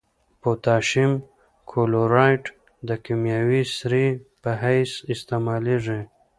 پوتاشیم کلورایډ د کیمیاوي سرې په حیث استعمالیږي.